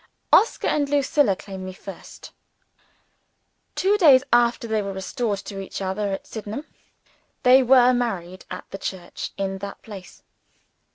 Oscar and Lucilla claim me first. Two days after they were restored to each other at Sydenham, they were married at the church in that place.